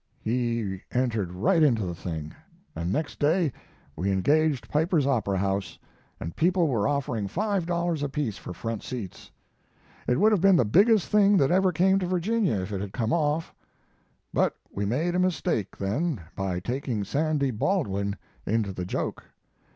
He entered right into the thing, and next day we engaged Piper's Opera House, and people were offering five dollars apiece for front seats. It would have been the biggest thing that ever came to Virginia if it had come off. But we made a mistake, then, by taking Sandy Baldwin into the joke.